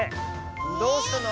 どうしたの？